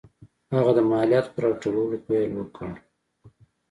هغه د مالیاتو په راټولولو پیل وکړ.